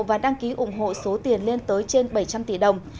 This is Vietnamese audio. và đăng ký ủng hộ số tiền lên tới trên bảy trăm linh tỷ đồng